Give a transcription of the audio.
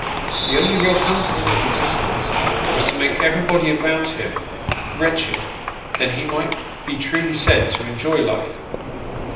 The only real comfort of his existence was to make every body about him wretched then he might be truly said to enjoy life.